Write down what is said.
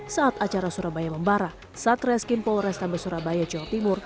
saat acara surabaya membara satreskrim polrestabes surabaya jawa timur